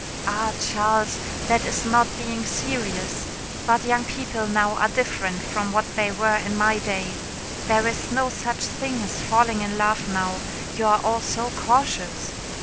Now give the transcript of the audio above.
"Ah! Charles, that is not being serious. But young people now are different from what they were in my day. There is no such thing as falling in love now, you are all so cautious."